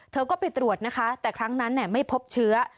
เธอก็ไปตรวจนะคะแต่ครั้งนั้นไม่พบเชื้อ